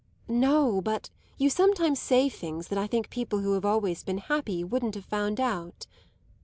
"No; but you sometimes say things that I think people who have always been happy wouldn't have found out."